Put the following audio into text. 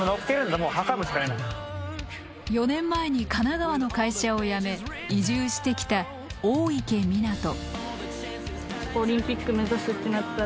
４年前に神奈川の会社を辞め移住してきた大池水杜。